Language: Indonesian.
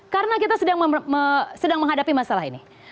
karena kita sedang menghadapi masalah ini